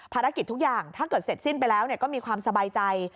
ภารกิจทุกอย่างถ้าเกิดเสร็จสิ้นไปแล้วก็มีความสบายใจ